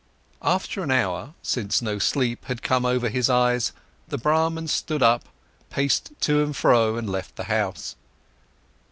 After an hour, since no sleep had come over his eyes, the Brahman stood up, paced to and fro, and left the house.